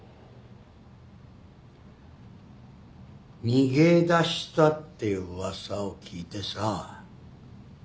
逃げ出したっていう噂を聞いてさ。